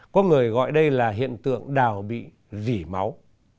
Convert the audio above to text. có người gọi đây là hiện tượng đào bị dỉ máu